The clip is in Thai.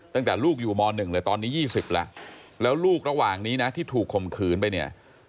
ตั้งแต่ลูกอยู่ม๑เลยตอนนี้๒๐แล้วแล้วลูกระหว่างนี้นะที่ถูกข่มขืนไปเนี่ย